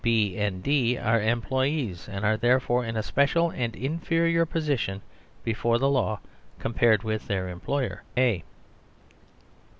B and D are employees^ and are therefore in a special and inferior 161 II THE SERVILE STATE position before the law com pared with their employer A.